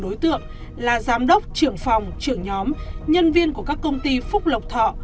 đối tượng là giám đốc trưởng phòng trưởng nhóm nhân viên của các công ty phúc lộc thọ